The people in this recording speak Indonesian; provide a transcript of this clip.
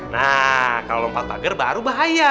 nah kalau lompat pagar baru bahaya